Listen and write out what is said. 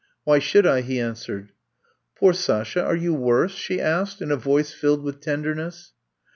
"Why should I?" he answered. "Poor Sasha, are you worse?" she asked in a voice filled with tenderness.